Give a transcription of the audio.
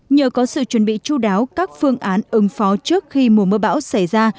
nhờ có sự chuẩn bị chú đáo các phương án ứng phó trước khi mùa mưa bão xảy ra